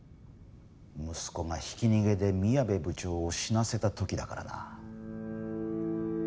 息子がひき逃げで宮部部長を死なせた時だからな。